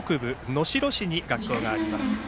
能代市に学校があります。